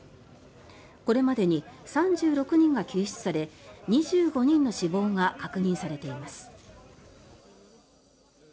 これまでに３６人が救出され２５人の死亡が確認されています。